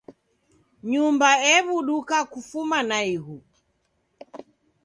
Nyumba ebuduka kufuma naighu.